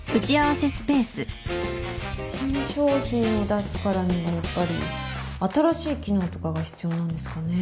新商品を出すからにはやっぱり新しい機能とかが必要なんですかね？